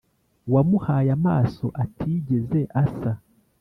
wamuhaye amaso atigeze asa